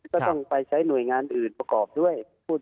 ก็ต้องไปใช้หน่วยงานอื่นประกอบด้วย